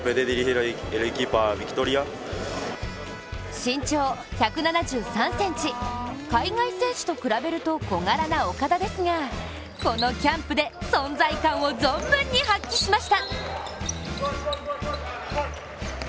身長１７３ｃｍ、海外選手と比べると小柄な岡田ですが、このキャンプで存在感を存分に発揮しました。